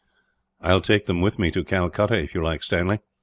"I will take them with me to Calcutta, if you like, Stanley.